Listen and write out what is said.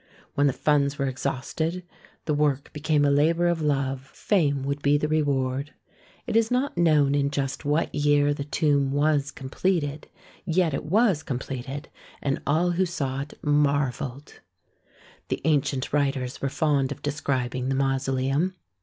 When the funds were exhausted, the work became a labour of love; fame would be the reward. It is not known in just what year the tomb was com pleted, yet it was completed, and all who saw it marvelled. The ancient writers were fond of describing the mausoleum.